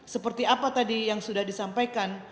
seperti apa tadi yang sudah disampaikan